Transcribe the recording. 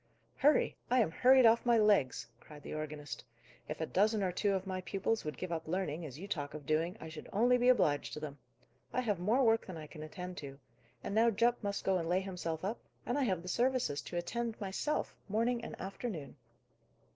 "Hurry! I am hurried off my legs," cried the organist. "If a dozen or two of my pupils would give up learning, as you talk of doing, I should only be obliged to them. I have more work than I can attend to. And now Jupp must go and lay himself up, and I have the services to attend myself, morning and afternoon!"